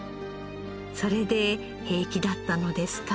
それで平気だったのですか？